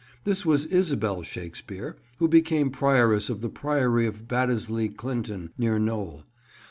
This was Isabel Shakespeare, who became Prioress of the Priory of Baddesley Clinton, near Knowle.